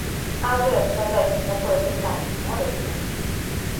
А вы адказаць на такое пытанне можаце?